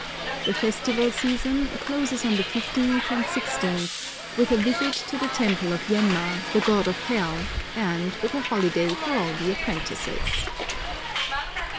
The festival season closes on the fifteenth and sixteenth with a visit to the temple of Yemma, the god of hell, and with a holiday for all the apprentices.